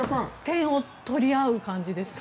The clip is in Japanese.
点を取り合う感じですか。